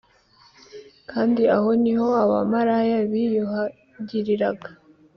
kandi aho ni ho abamalaya biyuhagiraga